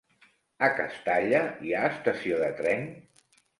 A Castalla hi ha estació de tren?